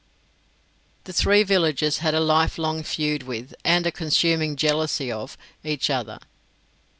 The three villages had a life long feud with, and a consuming jealousy of, each other.